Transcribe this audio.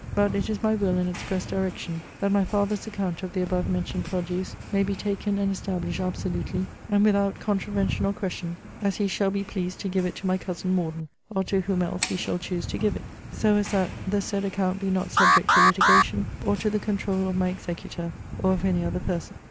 But it is my will and express direction, that my father's account of the above mentioned produce may be taken and established absolutely (and without contravention or question,) as he shall be pleased to give it to my cousin Morden, or to whom else he shall choose to give it; so as that the said account be not subject to litigation, or to the controul of my executor, or of any other person.